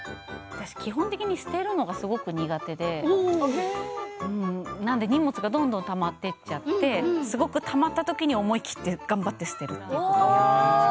基本的に捨てるのが苦手荷物がどんどんたまっていっちゃってすごくたまった時に思い切って頑張って捨てるということが。